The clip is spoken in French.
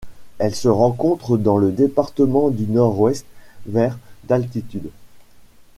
Elle se rencontre dans le département du Nord-Ouest vers d'altitude.